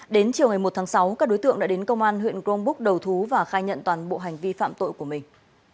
đến chiều ngày một tháng sáu các đối tượng đã đến công an huyện grongbuk đầu thú và khai nhận toàn bộ hành vi phạm tội của mình